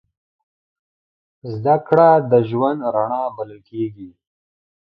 زدهکړه د ژوند رڼا بلل کېږي.